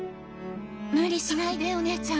無理しないでお姉ちゃん。